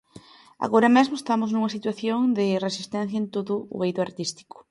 Agora mesmo estamos nunha situación de resistencia en todo o eido artístico.